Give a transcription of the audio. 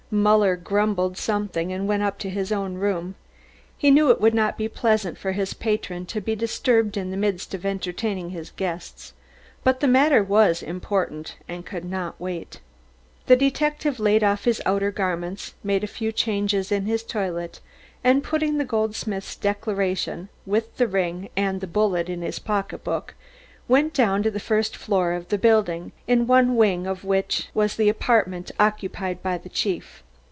Muller grumbled something and went on up to his own room. He knew it would not be pleasant for his patron to be disturbed in the midst of entertaining his guests, but the matter was important and could not wait. The detective laid off his outer garments, made a few changes in his toilet and putting the goldsmith's declaration, with the ring and the bullet in his pocketbook, he went down to the first floor of the building, in one wing of which was the apartment occupied by the Chief.